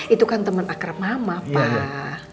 itu kan teman akrab mama pak